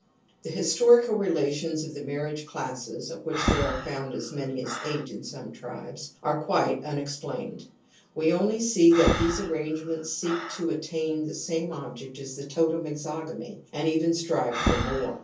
The historical relations of the marriage classes —of which there are found as many as eight in some tribes — ^are quite unexplained. We only see that these arrangements seek to attain the same object as the totem exogamy, and even strive for more.